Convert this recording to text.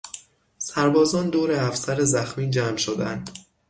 سربازان دور افسر زخمی جمع شدند.